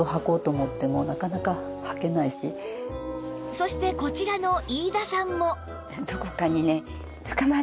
そしてこちらの飯田さんも